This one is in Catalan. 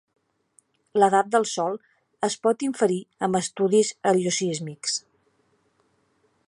L'edat del sol es pot inferir amb estudis heliosísmics.